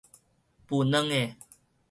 孵卵的